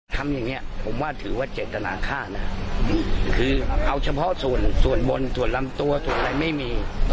ทำอย่างนี้ผมว่าถือว่าเจตนาฆ่านะคือเอาเฉพาะส่วนส่วนบนส่วนลำตัวส่วนอะไรไม่มี